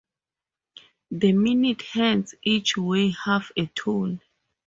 The minute hands each weigh half a ton.